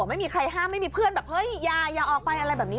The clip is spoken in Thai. ไม่มีใครห้ามไม่มีเพื่อนแบบเฮ้ยอย่าออกไปอะไรแบบนี้